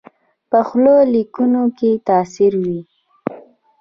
پخو لیکنو کې تاثیر وي